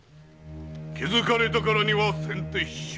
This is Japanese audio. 気付かれたからには先手必勝。